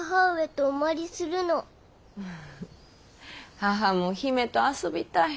母も姫と遊びたい！